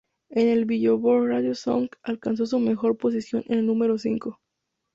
En el "Billboard Radio Songs", alcanzó su mejor posición en el número cinco.